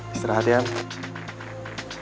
istirahat ya om